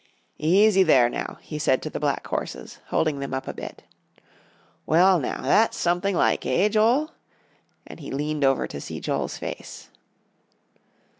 "Easy there, now," he said to the black horses, holding them up a bit. "Well now, that's something like, eh, Joel?" And he leaned over to see Joel's face.